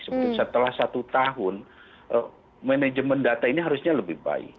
setelah satu tahun manajemen data ini harusnya lebih baik